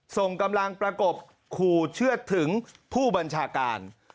ส่งกำลังประกบขู่เชื่อถึงผู้บัญชาการ